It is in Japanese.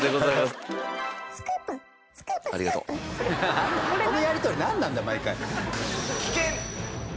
このやり取りなんなんだよ毎回。